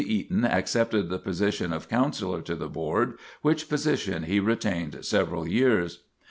Eaton accepted the position of counsellor to the board, which position he retained several years.